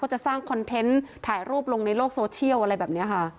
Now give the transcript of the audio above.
จะสร้างคอนเทนต์ถ่ายรูปลงในโลกโซเชียลอะไรแบบนี้ค่ะ